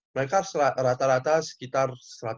mereka rata rata sekitar satu ratus delapan puluh lima